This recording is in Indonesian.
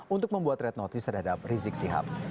untuk membuat red notice terhadap rizik sihab